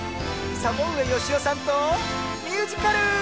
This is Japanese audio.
サボうえよしおさんとミュージカル！